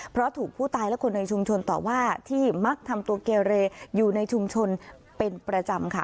เพราะถูกผู้ตายและคนในชุมชนต่อว่าที่มักทำตัวเกเรอยู่ในชุมชนเป็นประจำค่ะ